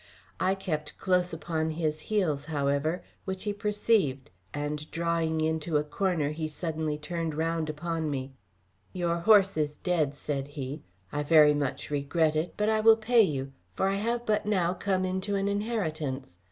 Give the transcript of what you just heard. I kept close upon his heels, however, which he perceived, and drawing into a corner he suddenly turned round upon me. "Your horse is dead," said he. "I very much regret it; but I will pay you, for I have but now come into an inheritance.